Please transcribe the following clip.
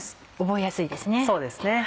覚えやすいですね。